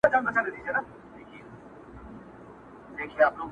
د کمزورو کنډوالې دي چي نړېږي؛؛!